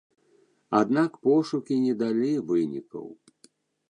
Аднак пошукі не далі вынікаў.